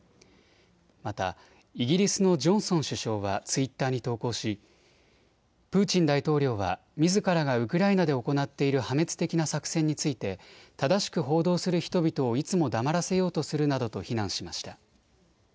またイギリスのジョンソン首相はツイッターに投稿しプーチン大統領はみずからがウクライナで行っている破滅的な作戦について正しく報道する人々をいつも黙らせようとするなどと非難しました。